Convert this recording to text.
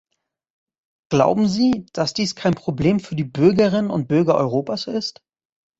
Glauben Sie, dass dies kein Problem für die Bürgerinnen und Bürger Europas ist?